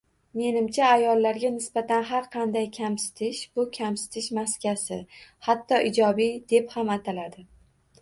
Menimcha, ayollarga nisbatan har qanday kamsitish-bu kamsitish maskasi, hatto ijobiy deb ham ataladi